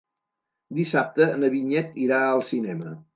Dissabte na Vinyet irà al cinema.